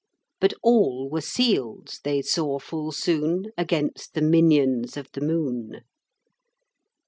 But all were sealed, they saw full soon, Against the minions of the moon.